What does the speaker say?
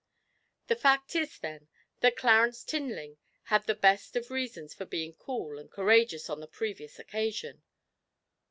The fact is, then, that Clarence Tinling had the best of reasons for being cool and courageous on the previous occasion.